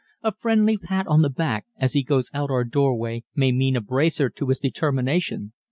A friendly pat on the back as he goes out our doorway may mean a bracer to his determination.